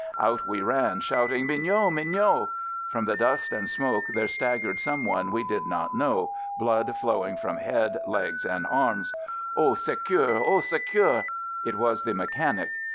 Out we ran, shouting " Mi gnot! Mignot!" From the dust and smoke there staggered some one we did not know, blood flowing from head, legs, and arms — "Au secours! Au secours!" — it was the mechanic.